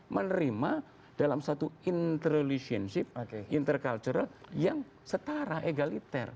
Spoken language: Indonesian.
menerima dalam satu interalationship intercultural yang setara egaliter